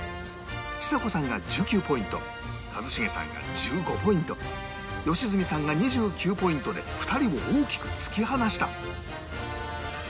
ちさ子さんが１９ポイント一茂さんが１５ポイント良純さんが２９ポイントで２人を大きく突き放した